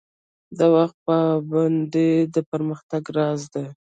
د وخت پابندي د پرمختګ راز دی